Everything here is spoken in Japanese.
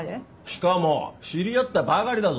しかも知り合ったばかりだぞ？